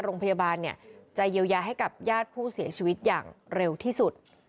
โรงพยาบาลจะเยียวยาให้กับญาติผู้เสียชีวิตอย่างเร็วที่สุด